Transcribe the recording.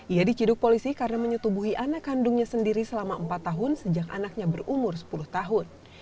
ia diciduk polisi karena menyetubuhi anak kandungnya sendiri selama empat tahun sejak anaknya berumur sepuluh tahun